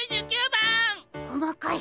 こまかい！